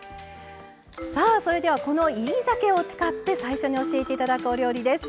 さあそれではこの煎り酒を使って最初に教えて頂くお料理です。